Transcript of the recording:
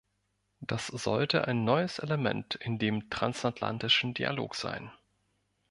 Das sollte ein neues Element in dem transatlantischen Dialog sein.